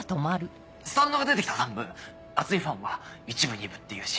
スタンドが出てきた３部熱いファンは１部２部って言うし。